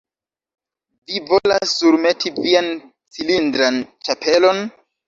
Vi volas surmeti vian cilindran ĉapelon?